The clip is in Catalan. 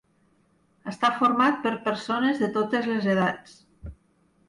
Està format per persones de totes les edats.